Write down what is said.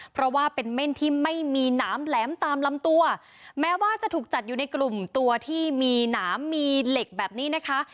เพราะว่าเป็นเม่นที่ไม่มีหนามแหลมตามลำตัวแม้ว่าจะถูกจัดอยู่ในกลุ่มตัวที่มีหนามมีเหล็กแบบนี้นะคะ